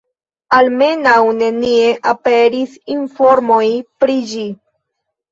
Almenaŭ nenie aperis informoj pri ĝi.